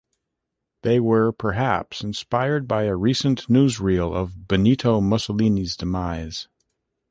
They were perhaps inspired by a recent newsreel of Benito Mussolini's demise.